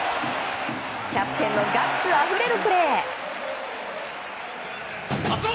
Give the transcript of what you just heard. キャプテンのガッツあふれるプレー！